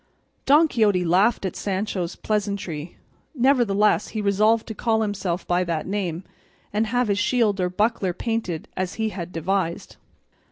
Don Quixote laughed at Sancho's pleasantry; nevertheless he resolved to call himself by that name, and have his shield or buckler painted as he had devised.